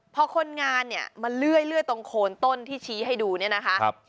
พอคนงานเนี่ยมาเลื่อยตรงโคนต้นที่ชี้ให้ดูเนี่ยนะคะ